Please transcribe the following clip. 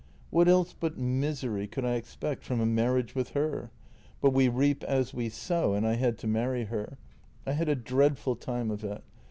" What else but misery could I expect from a marriage with her? But we reap as we sow, and I had to marry her. I had a dreadful time of it.